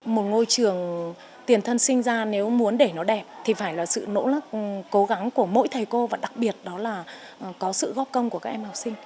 một ngôi trường tiền thân sinh ra nếu muốn để nó đẹp thì phải là sự nỗ lực cố gắng của mỗi thầy cô và đặc biệt đó là có sự góp công của các em học sinh